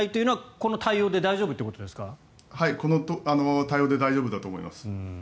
この対応で大丈夫だと思います。